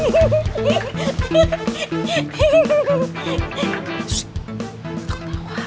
percetan makanan kemungkinan jadi bangga